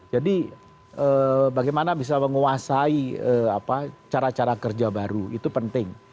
jadi bagaimana bisa menguasai cara cara kerja baru itu penting